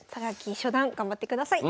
榊初段頑張ってください。